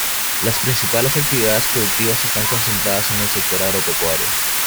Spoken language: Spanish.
Las principales actividades productivas están concentradas en el sector agropecuario.